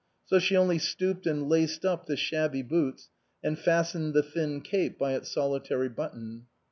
So she only stooped and laced up the shabby boots, and fastened the thin cape by its solitary button.